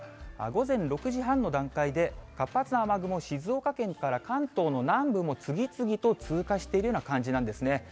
午前６時半の段階で、活発な雨雲、静岡県から関東の南部を次々と通過している感じなんですね。